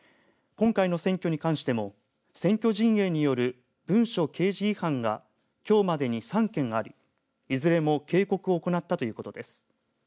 今回の選挙に関しても選挙陣営による文書掲示違反がきょうまでに３件ありいずれも警告を行ったということです。